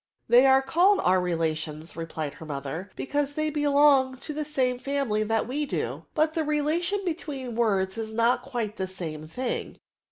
'' ^^They are called our relations^" rqilied her mother, '* because they belong to the same family that we do; but the relation between words is not quite the same thing.